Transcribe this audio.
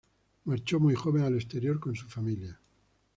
Marchó muy joven al exterior con su familia.